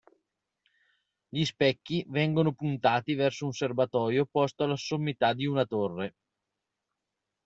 Gli specchi vengono puntati verso un serbatoio posto alla sommità di una torre.